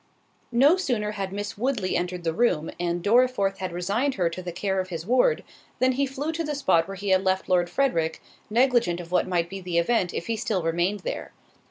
No sooner had Miss Woodley entered the room, and Dorriforth had resigned to her the care of his ward, than he flew to the spot where he had left Lord Frederick, negligent of what might be the event if he still remained there.